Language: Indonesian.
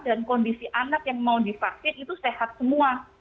dan kondisi anak yang mau divaksin itu sehat semua